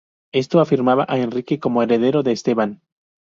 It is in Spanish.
Esto afirmaba a Enrique como heredero de Esteban.